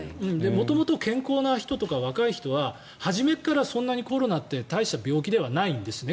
元々健康な人とか若い人は、初めからころなって大した病気ではないんですね。